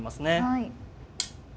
はい。